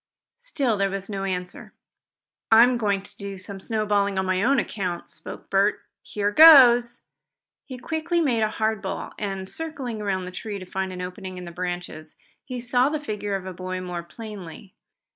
Still there was no answer. "I'm going to do some snowballing on my own account," spoke Bert. "Here goes!" He quickly made a hard ball, and, circling around the tree to find an opening in the branches, he saw the figure of the boy more plainly.